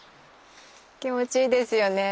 気持ちいいですよね